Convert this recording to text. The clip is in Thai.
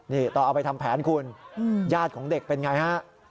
นี่ตอนเอาไปทำแผนคุณญาติของเด็กเป็นไงฮะ